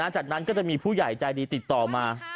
จากนั้นก็จะมีผู้ใหญ่ใจดีติดต่อมา